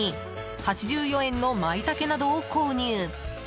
８４円のマイタケなどを購入。